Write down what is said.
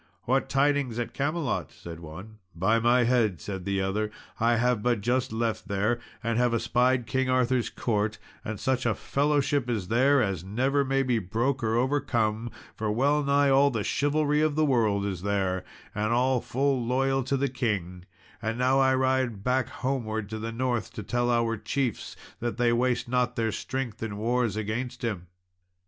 "What tidings at Camelot?" said one. "By my head," said the other, "I have but just left there, and have espied King Arthur's court, and such a fellowship is there as never may be broke or overcome; for wellnigh all the chivalry of the world is there, and all full loyal to the king, and now I ride back homewards to the north to tell our chiefs, that they waste not their strength in wars against him."